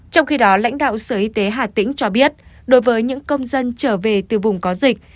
trong khi đó lãnh đạo sở y tế hà tĩnh cho biết đối với những công dân trở về từ vùng có dịch